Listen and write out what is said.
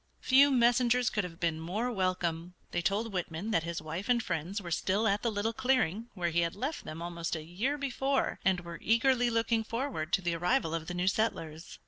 Few messengers could have been more welcome. They told Whitman that his wife and friends were still at the little clearing where he had left them almost a year before, and were eagerly looking forward to the arrival of the new settlers.